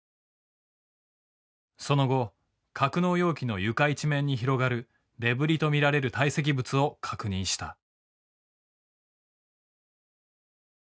その後格納容器の床一面に広がるデブリと見られる堆積物を確認した。